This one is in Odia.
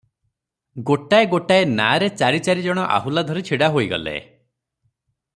ଗୋଟାଏ ଗୋଟାଏ ନାଆରେ ଚାରି ଚାରି ଜଣ ଆହୁଲା ଧରି ଛିଡା ହୋଇଗଲେ ।